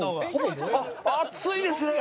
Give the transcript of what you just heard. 熱いですね！